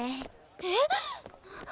えっ！？